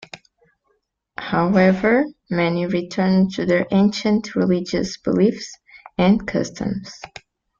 However, many returned to their ancient religious beliefs and customs.